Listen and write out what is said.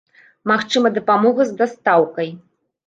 Магчыма дапамога з дастаўкай.